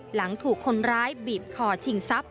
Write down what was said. หลังถูกคนร้ายบีบขอถิ่งทรัพย์สิบปี